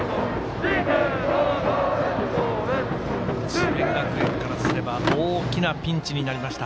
智弁学園からすれば大きなピンチになりました